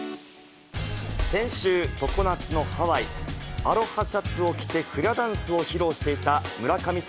先週、常夏のハワイ、アロハシャツを着て、フラダンスを披露していた村神様